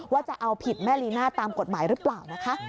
ว่าจะเอาผิดแม่รีน่าตามกฎหมายหรือเปล่า